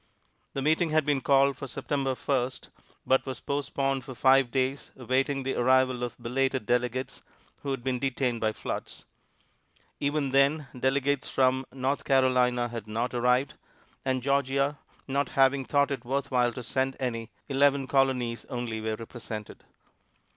The meeting had been called for September First, but was postponed for five days awaiting the arrival of belated delegates who had been detained by floods. Even then, delegates from North Carolina had not arrived, and Georgia not having thought it worth while to send any, eleven Colonies only were represented.